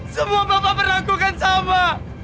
semua bapak pernah kukat sama